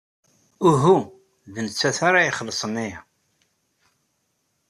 Uhu, d nettat ara ixellṣen aya.